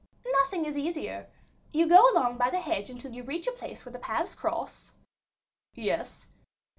"Nothing easier. You go along by the hedge until you reach a place where the paths cross." "Yes."